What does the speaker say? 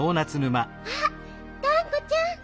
あっがんこちゃん。